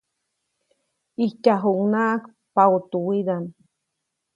ʼIjtyajuʼucnaʼajk paʼutuwidaʼmbä.